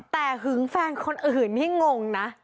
แต่หึงแฟนคนอื่นนี่งงนะ